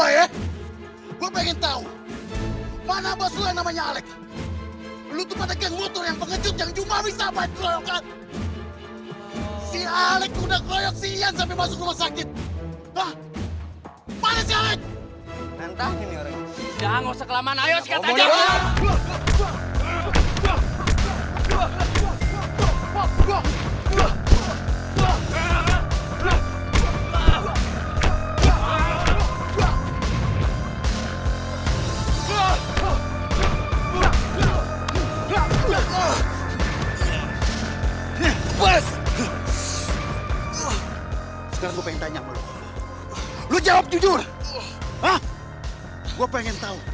yuk jalan ke depan